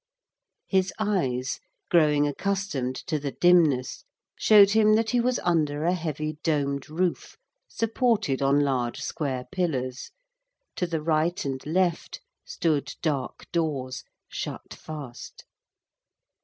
His eyes, growing accustomed to the dimness, showed him that he was under a heavy domed roof supported on large square pillars to the right and left stood dark doors, shut fast.